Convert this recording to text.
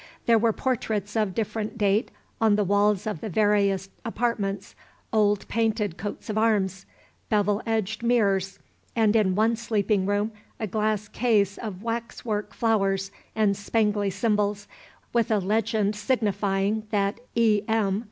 There were portraits of different date on the walls of the various apartments, old painted coats of arms, bevel edged mirrors, and in one sleeping room a glass case of wax work flowers and spangly symbols, with a legend signifying that E. M.